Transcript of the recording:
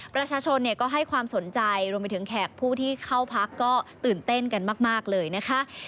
ประชาชนก็ให้ความสนใจรวมไปถึงแขกผู้ที่เข้าพักก็ตื่นเต้นกันมากเลยนะคะ